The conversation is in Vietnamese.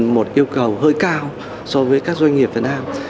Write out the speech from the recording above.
một yêu cầu hơi cao so với các doanh nghiệp việt nam